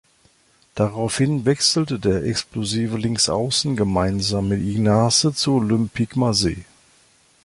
Daraufhin wechselte der „explosive Linksaußen“ gemeinsam mit Ignace zu Olympique Marseille.